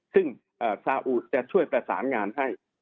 ซึ่งซาอุจะช่วยประสานงานให้